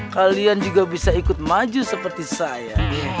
kalian juga bisa ikut maju seperti saya